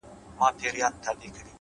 حقیقت د وخت ملګری دی!